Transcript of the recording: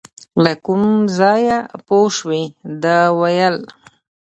له کوم ځایه پوه شوې، ده ویل .